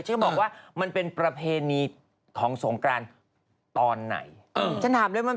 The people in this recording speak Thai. ขึ้นบอกว่ามันเป็นประเภณีของสงการตอนไหน